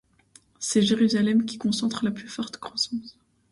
C'est Jérusalem qui concentre la plus forte croissance.